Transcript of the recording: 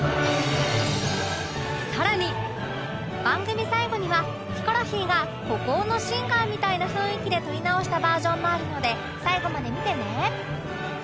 更に番組最後にはヒコロヒーが孤高のシンガーみたいな雰囲気で撮り直したバージョンもあるので最後まで見てね